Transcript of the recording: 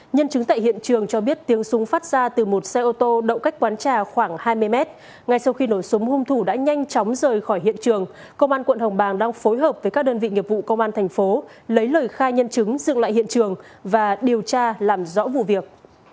nhân chứng tại hiện trường cho biết tiếng súng phát ra từ một xe ô tô đậu cách quán trà khoảng hai mươi mét ngay sau khi nổ súng hung thủ đã nhanh chóng rời khỏi hiện trường công an quận hồng bàng đang phối hợp với các đơn vị nghiệp vụ công an thành phố lấy lời khai nhân chứng dựng lại hiện trường và điều tra làm rõ vụ việc